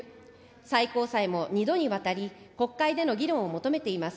最高裁も２度にわたり、国会での議論を求めています。